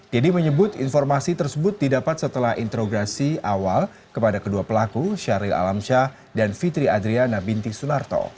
deddy menyebut informasi tersebut didapat setelah interograsi awal kepada kedua pelaku syahril alamsyah dan fitri adriana binti sunarto